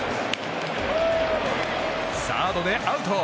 サードでアウト。